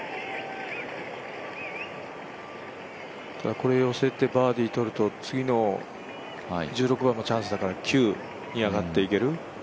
これ、寄せてバーディー取ると次の１６番もチャンスだから９に上がっていける。